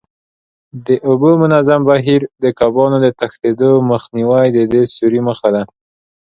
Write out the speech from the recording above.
د اوبو منظم بهیر، د کبانو د تښتېدو مخنیوی د دې سوري موخه ده.